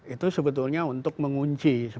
itu sebetulnya untuk mengunci